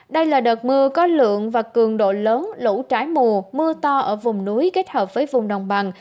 đây là đợt mưa có lượng và cường độ lớn lũ trái mùa mưa to ở vùng núi kết hợp với vùng đồng bằng